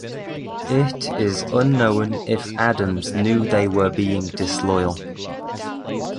It is unknown if Adams knew they were being disloyal.